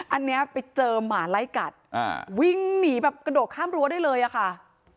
อันนี้ไปเจอหมาไล่กัดอ่าวิ่งหนีแบบกระโดดข้ามรั้วได้เลยอะค่ะ